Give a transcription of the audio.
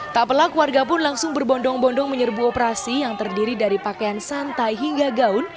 tak pelak warga pun langsung berbondong bondong menyerbu operasi yang terdiri dari pakaian santai hingga gaun